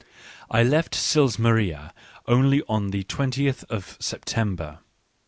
I left Sils Maria only on the 20th of September.